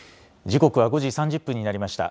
時刻は５時３０分になりました。